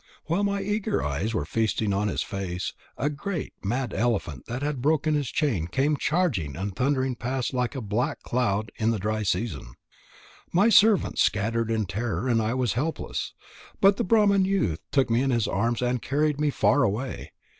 While my eager eyes were feasting on his face, a great mad elephant that had broken his chain came charging and thundering past like a black cloud in the dry season. My servants scattered in terror, and I was helpless. But the Brahman youth took me in his arms and carried me far away.